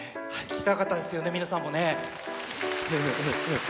聴きたかったですよね、皆さんもね？